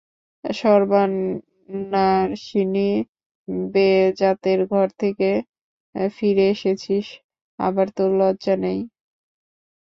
সর্বনাশিনী, বেজাতের ঘর থেকে ফিরে এসেছিস, আবার তোর লজ্জা নেই!